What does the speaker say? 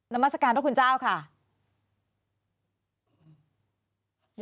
นามสการพระคุณเจ้าค่ะ